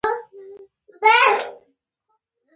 د اوینټ په نوم د روغتونونو لپاره د جامو تولید پیل شو.